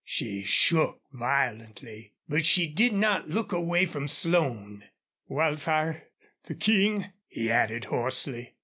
She shook violently. But she did not look away from Slone. "Wildfire! The King!" he added, hoarsely.